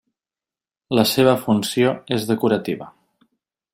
La seva funció és decorativa.